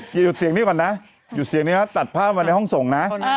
หยุดเสียงนี้ก่อนนะหยุดเสียงนี้นะตัดภาพมาในห้องส่งนะ